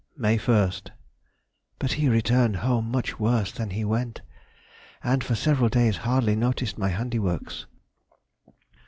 May 1st.—But he returned home much worse than he went, and for several days hardly noticed my handiworks.